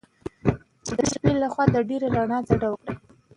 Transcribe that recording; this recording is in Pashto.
د شپې له خوا د ډېرې رڼا څخه ډډه وکړئ.